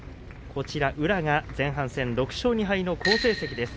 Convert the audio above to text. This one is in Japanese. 宇良が前半戦、６勝２敗の好成績です。